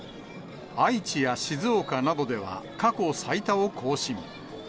愛知や静岡などでは、過去最多を更新。